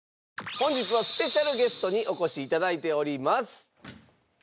本日はスペシャルゲストにお越し頂いております。